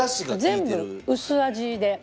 全部薄味で。